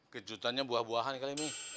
kejutannya buah buahan kali ini